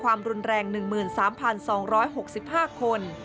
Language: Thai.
ความรุนแรง๑๓๒๖๕คน